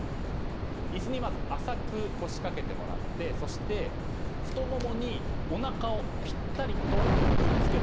まず椅子に浅く腰掛けてもらってそして、太ももにおなかをぴったりとくっつける。